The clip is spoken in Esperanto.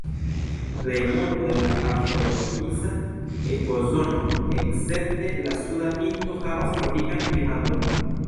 Plejmulto de la afrotropisa ekozono, escepte la suda pinto, havas tropikan klimaton.